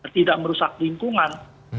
tidak merusak lingkungan